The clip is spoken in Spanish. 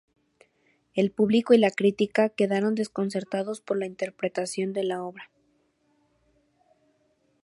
El público y la crítica quedaron desconcertados por la interpretación de la obra.